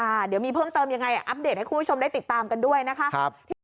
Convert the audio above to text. เดี๋ยวมีเพิ่มเติมยังไงอัปเดตให้คุณผู้ชมได้ติดตามกันด้วยนะคะ